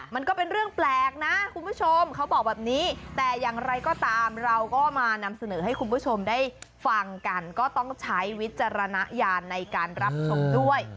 มันก็เป็นเรื่องแปลกนะคุณผู้ชมเขาบอกแบบนี้แต่อย่างไรก็ตามเราก็มานำเสนอให้คุณผู้ชมได้ฟังกันก็ต้องใช้วิจารณญาณในการรับชมด้วย